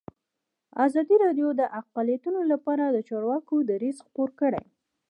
ازادي راډیو د اقلیتونه لپاره د چارواکو دریځ خپور کړی.